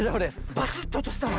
バスッておとしたわ。